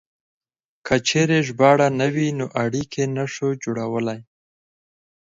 که چېرې ژباړه نه وي نو اړيکې نه شو جوړولای.